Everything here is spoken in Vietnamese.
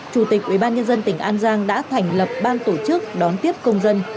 chủ tịch ubnd tỉnh an giang đã thành lập ban tổ chức đón tiếp công dân